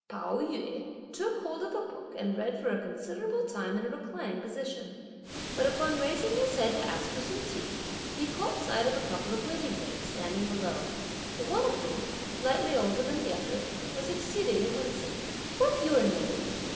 Pao yü took hold of a book and read for a considerable time in a reclining position; but upon raising his head to ask for some tea, he caught sight of a couple of waiting maids, standing below; the one of whom, slightly older than the other, was exceedingly winsome. "What's your name?"